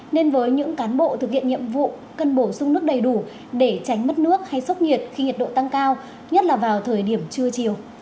nên với những cán bộ thực hiện nhiệm vụ cần bổ sung nước đầy đủ để tránh mất nước hay sốc nhiệt khi nhiệt độ tăng cao nhất là vào thời điểm trưa chiều